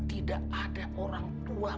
tidak ada orang tua